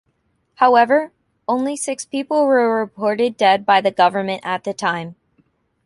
However, only six people were reported dead by the government at the time.